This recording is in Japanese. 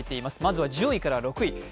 まずは１０位から６位。